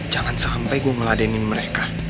jangan sampai gue ngeladenin mereka